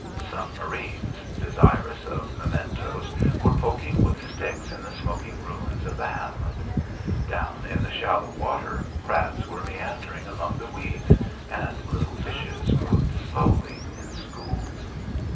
Some marines, desirous of mementoes, were poking with sticks in the smoking ruins of the hamlet. Down in the shallow water crabs were meandering among the weeds, and little fishes moved slowly in schools.